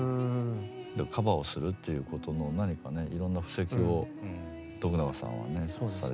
だからカバーをするっていうことの何かねいろんな布石を永さんはねされてこられたかもしれない。